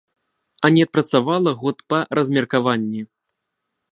А не адпрацавала год па размеркаванні.